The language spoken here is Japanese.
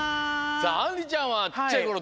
さああんりちゃんはちっちゃいころ